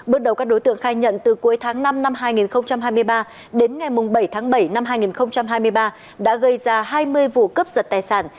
bước đầu các đối tượng khai nhận từ cuối tháng năm năm hai nghìn hai mươi ba đến ngày bảy tháng bảy năm hai nghìn hai mươi ba đã gây ra hai mươi vụ cướp giật tài sản